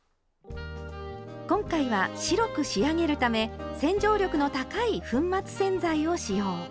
今回は白く仕上げるため洗浄力の高い粉末洗剤を使用。